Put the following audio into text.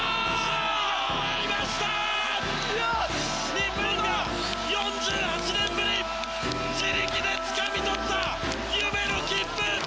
日本が、４８年ぶり自力でつかみ取った夢の切符！